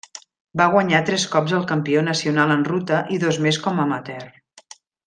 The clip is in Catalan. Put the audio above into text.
Va guanyar tres cops el Campió nacional en ruta i dos més com a amateur.